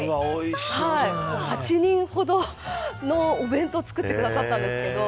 ８人ほどのお弁当を作ってくださったんですけど